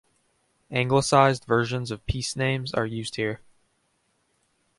Anglicised versions of piece names are used here.